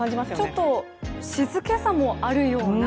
ちょっと静けさもあるような